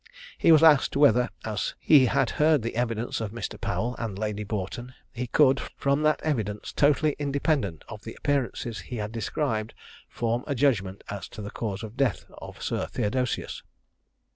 He was asked whether, as he had heard the evidence of Mr. Powell and Lady Boughton, he could, from that evidence, totally independent of the appearances he had described, form a judgment as to the cause of the death of Sir Theodosius.